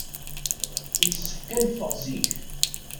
Yessefk ad neffeɣ zik.